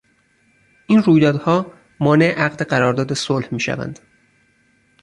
این رویدادها مانع عقد قرار داد صلح میشوند.